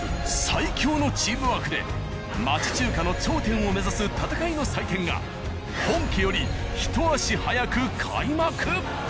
最強のチームワークで町中華の頂点を目指す戦いの祭典が本家よりひと足早く開幕。